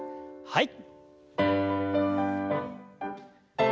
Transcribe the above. はい。